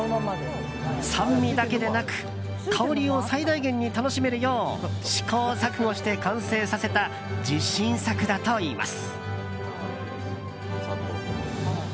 酸味だけでなく香りを最大限に楽しめるよう試行錯誤して完成させた自信作だといいます。